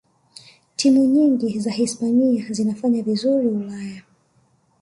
timu nyingi za hispania zinafanya vizuri ulaya